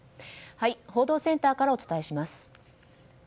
報道センターからお伝えします。